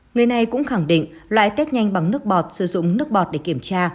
người này cũng khẳng định loại test nhanh bằng nước bọt sử dụng nước bọt để kiểm tra